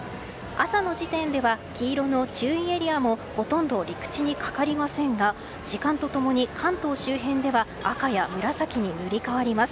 朝の時点では黄色の注意エリアもほとんど陸地にかかりませんが時間と共に関東周辺では赤や紫に塗り替わります。